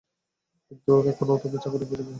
কিন্তু এখনও তুমি চাকরির উপযোগী হওনি।